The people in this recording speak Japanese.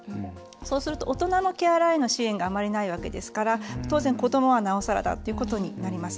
そうすると大人のケアラーへの支援があまりないわけですから当然、子どもはなおさらだということになります。